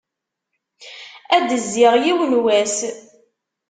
Ad d-zziɣ yiwen n wass.